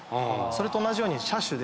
それと同じように車種で。